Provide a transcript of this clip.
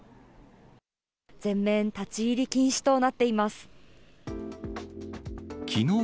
全面立ち入り禁止となっていきのう